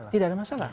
tidak ada masalah